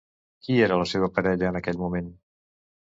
Qui era la seva parella en aquell moment?